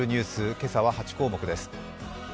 今朝は８項目です。